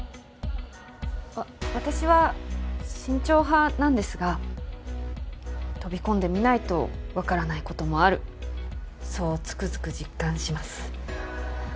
わ私は慎重派なんですが飛び込んでみないとわからないこともあるそうつくづく実感します。